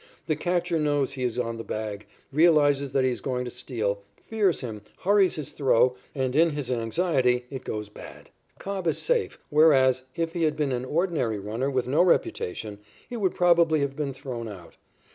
The catcher knows he is on the bag, realizes that he is going to steal, fears him, hurries his throw, and, in his anxiety, it goes bad. Cobb is safe, whereas, if he had been an ordinary runner with no reputation, he would probably have been thrown out.